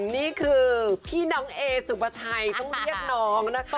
นี่คือพี่น้องเอสุปชัยต้องเรียกน้องนะคะ